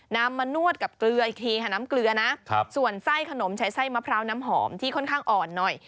นำมานวดกับเกลืออีกทีค่ะน้ำเกลือนะส่วนไส้ขนมใช้ไส้มะพร้าวน้ำหอมที่ค่อนข้างอ่อนหน่อย